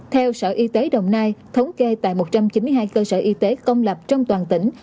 theo sở y tế đồng nai thống kê tại một trăm chín mươi hai cơ sở y tế công lập trong toàn tỉnh